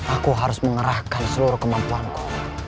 aku harus mengerahkan seluruh kemampuanku